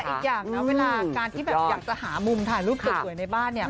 อีกอย่างนะเวลาการที่แบบอยากจะหามุมถ่ายรูปสวยในบ้านเนี่ย